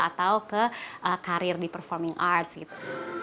atau ke karir di performing arts gitu